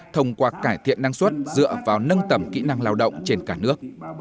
thông qua cải thiện năng suất dựa vào nâng tầm kỹ năng lao động trên cả nước